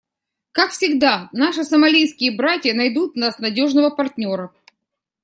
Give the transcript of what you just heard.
Как всегда, наши сомалийские братья найдут в нас надежного партнера.